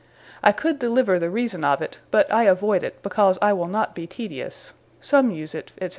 I could deliver the reason of it; but I avoid it, because I will not be tedious, some use it, &c.